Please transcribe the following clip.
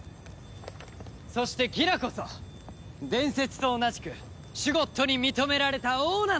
そしてギラこそ伝説と同じくシュゴッドに認められた王なのだ！